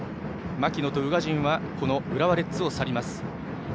槙野と宇賀神は浦和レッズを去ります。